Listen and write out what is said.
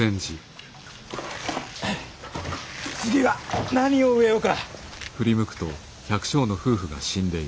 次は何を植えようか。